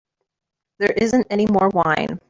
There isn't any more wine.